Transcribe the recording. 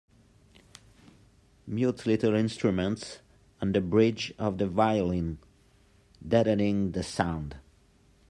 Mutes little instruments on the bridge of the violin, deadening the sound.